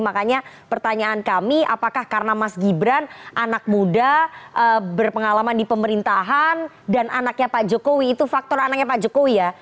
makanya pertanyaan kami apakah karena mas gibran anak muda berpengalaman di pemerintahan dan anaknya pak jokowi itu faktor anaknya pak jokowi ya